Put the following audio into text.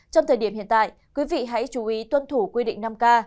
trong thời điểm hiện tại quý vị hãy chú ý tuân thủ quy định năm k